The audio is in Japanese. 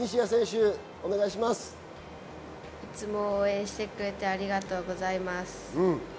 いつも応援してくれて、ありがとうございます。